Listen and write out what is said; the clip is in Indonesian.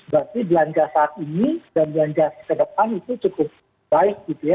berarti belanja saat ini dan belanja ke depan itu cukup baik gitu ya